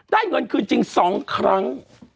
เงินคืนจริง๒ครั้ง